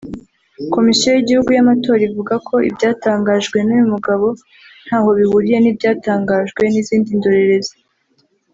Komisiyo y’Igihugu y’Amatora ivuga ko ibyatangajwe n’uyu mugabo ntaho bihuriye ntibyatangajwe n’izindi ndorerezi